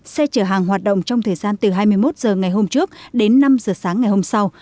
xe chở hàng hoạt động trong thời gian từ hai mươi một h ngày hôm trước đến năm h sáng ngày hôm sau